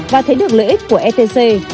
và thấy được lợi ích của etc